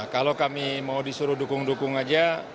kalau kami mau disuruh dukung dukung aja